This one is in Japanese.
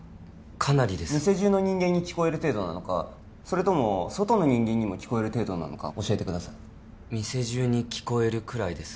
かなりです店じゅうの人間に聞こえる程度かそれとも外の人間にも聞こえる程度なのか教えてください店じゅうに聞こえるくらいです